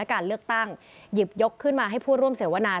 การเลือกตั้งหยิบยกขึ้นมาให้ผู้ร่วมเสวนา